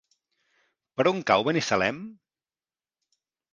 Per on cau Binissalem?